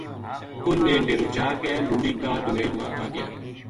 انھ نے ڈیرو چا کے لُنڈی کا دومیل ما آ گیا